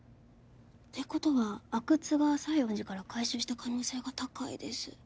ってことは阿久津が西園寺から回収した可能性が高いです。